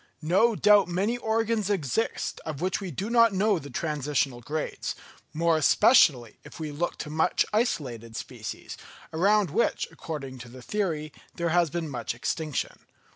No doubt many organs exist of which we do not know the transitional grades, more especially if we look to much isolated species, around which, according to the theory, there has been much extinction.